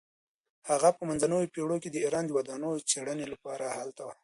هغې په منځنیو پیړیو کې د ایران د ودانیو د څیړنې لپاره هلته وه.